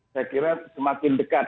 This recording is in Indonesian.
saya kira semakin dekat